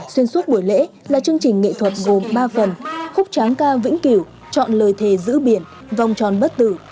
xuyên suốt buổi lễ là chương trình nghệ thuật gồm ba phần khúc tráng ca vĩnh cửu chọn lời thề giữ biển vòng tròn bất tử